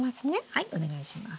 はいお願いします。